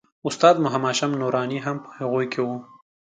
استاد محمد هاشم نوراني هم په هغوی کې و.